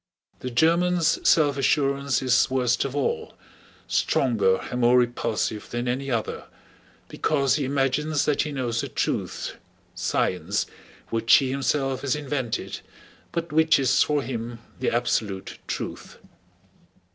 The German's self assurance is worst of all, stronger and more repulsive than any other, because he imagines that he knows the truth—science—which he himself has invented but which is for him the absolute truth.